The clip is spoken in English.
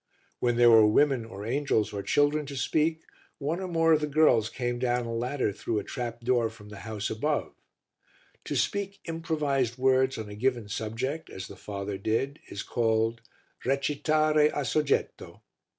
When there were women or angels or children to speak, one or more of the girls came down a ladder through a trap door from the house above. To speak improvised words on a given subject, as the father did, is called "recitare a soggetto."